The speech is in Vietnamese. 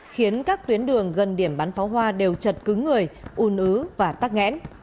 khiến các tuyến đường gần điểm bắn pháo hoa đều chật cứng người un ứ và tắc nghẽn